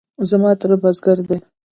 زما تره بزگر دی.